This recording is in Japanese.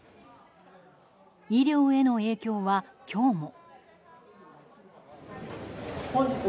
医療への影響は今日も。